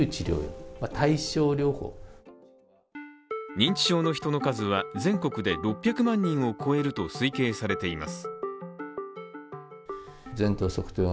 認知症の人の数は全国で６００万人を超えると推計されています。